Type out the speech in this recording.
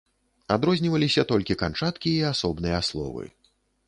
Адрозніваліся толькі канчаткі і асобныя словы.